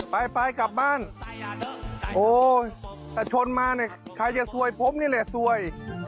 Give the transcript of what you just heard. ไปไปกลับบ้านโอ้ยถ้าชนมาเนี่ยใครจะซวยผมนี่แหละซวย